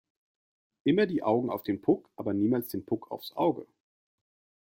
Immer die Augen auf den Puck aber niemals den Puck aufs Auge!